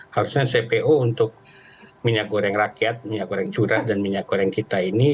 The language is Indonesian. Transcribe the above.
harusnya cpo untuk minyak goreng rakyat minyak goreng curah dan minyak goreng kita ini